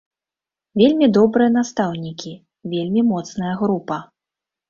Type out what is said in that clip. Вельмі добрыя настаўнікі, вельмі моцная група.